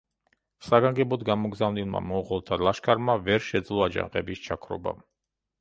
საგანგებოდ გამოგზავნილმა მონღოლთა ლაშქარმა ვერ შეძლო აჯანყების ჩაქრობა.